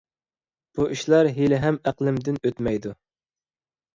بۇ ئىشلار ھېلىھەم ئەقلىمدىن ئۆتمەيدۇ.